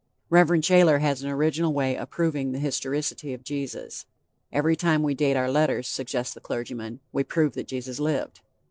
Rev. Shayler has an original way of proving the historicity of Jesus. Every time we date our letters, suggests the clergyman, we prove that Jesus lived.